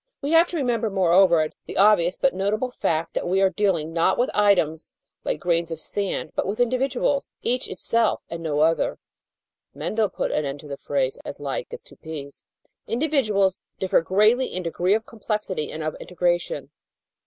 We have to remember, moreover, the obvious but notable fact that we are dealing not with items like grains of sand, but with individuals, each itself and no other. Mendel put an end to the phrase "as like as two peas." Individuals differ greatly in degree of complexity and of integration.